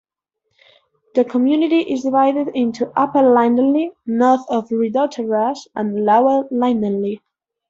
The community is divided into upper Lindenlea, north of Rideau Terrace, and lower Lindenlea.